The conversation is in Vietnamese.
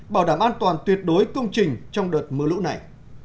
bảo đảm an toàn tuyệt đối công trình trong đợt mưa lũ này